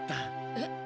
えっ？